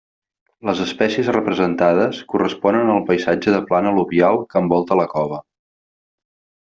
Les espècies representades corresponen al paisatge de plana al·luvial que envolta la cova.